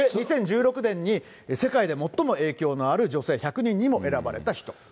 で、２０１６年に世界で最も影響のある女性１００人にも選ばれた人。